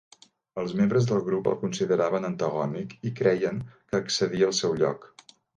Els membres del grup el consideraven antagònic i creien que excedia el seu lloc.